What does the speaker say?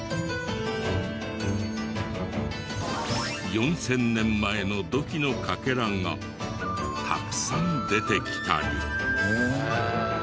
４０００年前の土器のかけらがたくさん出てきたり。